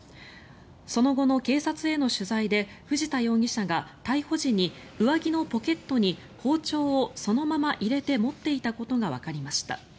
その後の警察への取材で藤田容疑者が逮捕時に上着のポケットに包丁をそのまま入れて持っていたことがわかりました。